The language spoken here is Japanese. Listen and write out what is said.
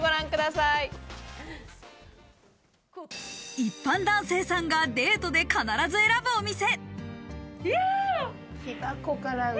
一般男性さんがデートです必ず選ぶお店。